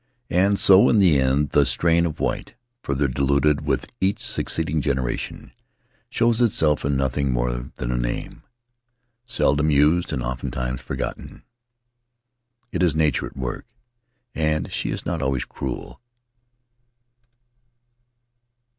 And so in the end the strain of white, further diluted with each succeeding generation, shows itself in nothing more than a name ... seldom used and oftentimes forgotten. It is Nature at work, and she is not always cruel.